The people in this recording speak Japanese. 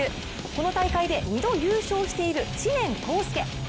この大会で２度優勝している知念光亮。